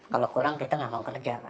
kalau kurang kita nggak mau kerja